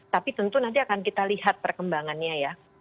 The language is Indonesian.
tapi tentu nanti akan kita lihat perkembangannya ya